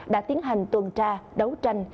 đã tiến hành tuần tra đấu tranh